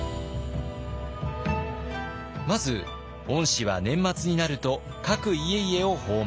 まず御師は年末になると各家々を訪問。